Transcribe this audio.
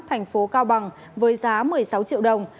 thành phố cao bằng với giá một mươi sáu triệu đồng